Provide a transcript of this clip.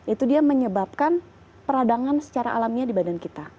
itu dia menyebabkan peradangan secara alaminya di badan kita